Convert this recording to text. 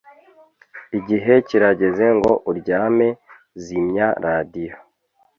Igihe kirageze ngo uryame Zimya radiyo